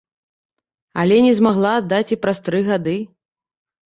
Але не змагла аддаць і праз тры гады.